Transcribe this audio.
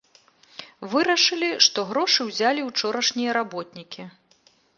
Вырашылі, што грошы ўзялі ўчорашнія работнікі.